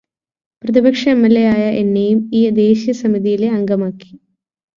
പ്രതിപക്ഷ എംഎൽഎയായ എന്നെയും ഈ ദേശീയസമിതിയിലെ അംഗമാക്കി.